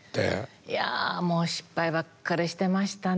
いやもう失敗ばっかりしてましたね。